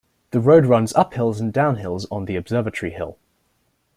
The road runs uphills and downhills on the Observatory Hill.